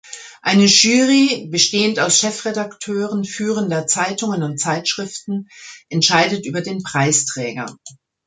Eine Jury, bestehend aus Chefredakteuren führender Zeitungen und Zeitschriften, entscheidet über den Preisträger.